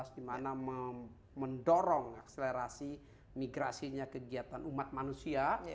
dimana mendorong akselerasi migrasinya kegiatan umat manusia